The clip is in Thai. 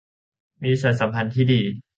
มีสายสัมพันธ์ที่ดี